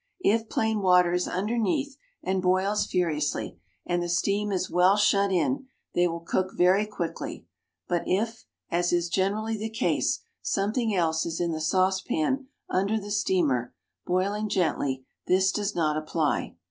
If plain water is underneath and boils furiously, and the steam is well shut in, they will cook very quickly; but if, as is generally the case, something else is in the saucepan under the steamer, boiling gently, this does not apply.